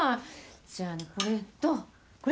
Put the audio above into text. じゃあこれとこれ。